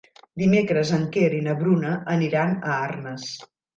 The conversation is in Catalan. Dimecres en Quer i na Bruna aniran a Arnes.